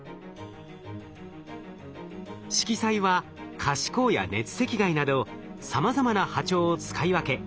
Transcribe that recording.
しきさいは可視光や熱赤外などさまざまな波長を使い分け